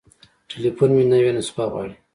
تليفون مې نوې نسخه غواړي.